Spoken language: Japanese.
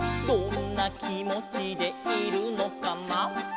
「どんなきもちでいるのかな」